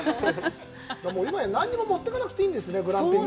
今や何にも持っていかなくていいんですね、グランピングって。